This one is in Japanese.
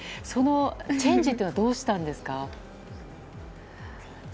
そのチェンジというのはどうしたんですか？